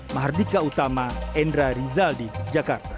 mahardika utama endra rizal di jakarta